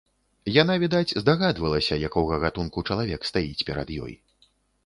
Яна, відаць, здагадвалася, якога гатунку чалавек стаіць перад ёй.